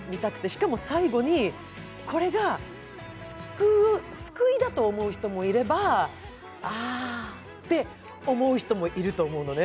しかも最後に、これが救いだと思う人もいれば、あ、って思う人もいると思うのね